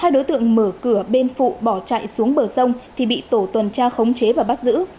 hai đối tượng mở cửa bên phụ bỏ chạy xuống bờ sông thì bị tổ tuần tra khống chế và bắt giữ